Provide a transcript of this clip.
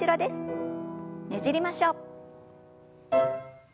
ねじりましょう。